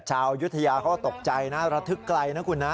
อายุทยาเขาก็ตกใจนะระทึกไกลนะคุณนะ